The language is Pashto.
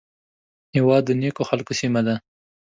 هېواد د نیکو خلکو سیمه ده